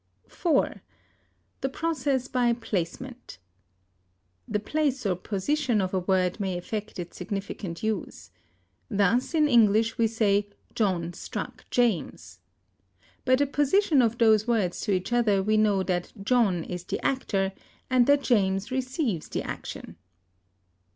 IV. THE PROCESS BY PLACEMENT. The place or position of a word may affect its significant use. Thus in English we say John struck James. By the position of those words to each other we know that John is the actor, and that James receives the action.